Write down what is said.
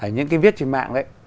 những cái viết trên mạng ấy